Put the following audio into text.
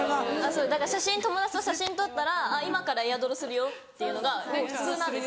だから友達と写真撮ったら今からエアドロするよっていうのが普通なんです。